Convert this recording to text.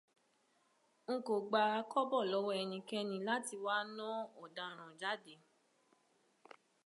N kò gba kọ́bọ̀ lọ́wọ́ ẹnikẹ́ni láti wá náà ọ̀daràn jáde.